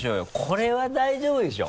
これは大丈夫でしょう。